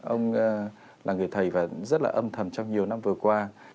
ông là người thầy và rất là âm thầm trong nhiều năm vừa qua